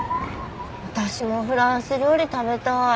私もフランス料理食べたい。